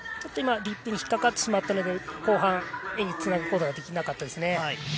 リップに引っ掛かってしまったので、後半につなぐことができなかったですね。